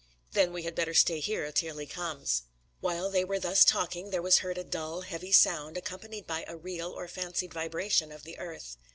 "Then we had better stay here till he comes." While they were thus talking, there was heard a dull, heavy sound, accompanied by a real or fancied vibration of the earth.